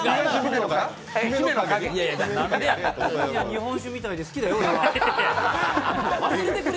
日本酒みたいで、好きだよ、俺は。